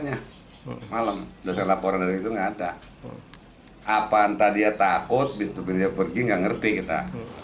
apa entah dia takut bisa bisa dia pergi enggak ngerti kita